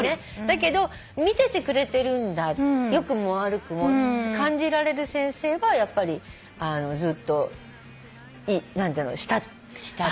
だけど見ててくれてるんだ良くも悪くもって感じられる先生はやっぱりずっと何ていうの慕ってたかな。